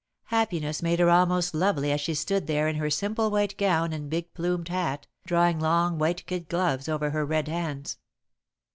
Happiness made her almost lovely as she stood there in her simple white gown and big plumed hat, drawing long white kid gloves over her red hands.